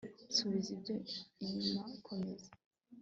subiza ibyo inyuma kumeza